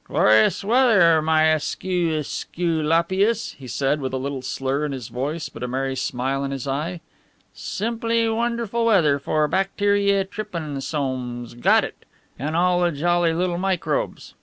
"Glorious weather, my Escu escu lapius," he said, with a little slur in his voice but a merry smile in his eye; "simply wonderful weather for bacteria trypanosomes (got it) an' all the jolly little microbes."